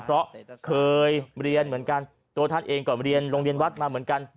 เพราะเคยเรียนเหมือนกันตัวท่านเองก่อนเรียนโรงเรียนวัดมาเหมือนกัน